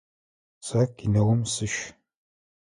Сэ кинэум сыщ.